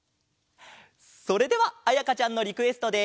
それではあやかちゃんのリクエストで。